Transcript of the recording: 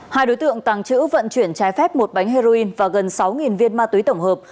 hai đối tượng tàng trữ vận chuyển trái phép một bánh heroin và gần sáu viên ma túy tổng hợp